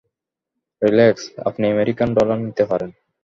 Relax - আপনি American dollar নিতে পারেন?